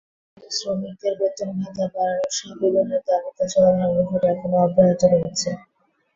ফলে শ্রমিকদের বেতন-ভাতা বাড়ানোসহ বিভিন্ন দাবিতে চলা ধর্মঘট এখনো অব্যাহত রয়েছে।